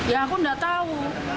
ya aku nggak tahu